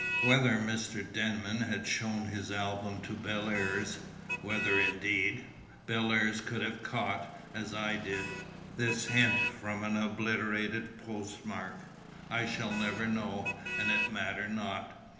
Whether Mr. Denman had shown his album to Bellairs, whether, indeed, Bellairs could have caught (as I did) this hint from an obliterated postmark, I shall never know, and it mattered not.